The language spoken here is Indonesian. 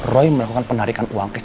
roy melakukan penarikan uang cash